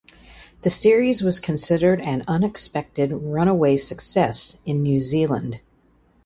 The series was considered "an unexpected runaway success" in New Zealand.